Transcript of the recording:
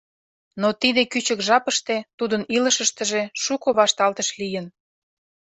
Но тиде кӱчык жапыште тудын илышыштыже шуко вашталтыш лийын.